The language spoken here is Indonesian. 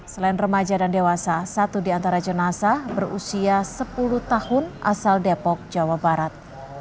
selain remaja dan dewasa satu di antara jenazah berusia sepuluh tahun asal depok jawa barat